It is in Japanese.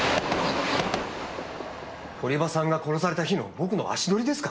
堀場さんが殺された日の僕の足取りですか！？